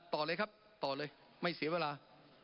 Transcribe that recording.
ต่อเลยครับต่อเลยไม่เสียเวลา